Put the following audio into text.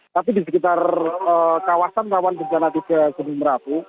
tapi di sekitar kawasan awan berjana tiga ke merapi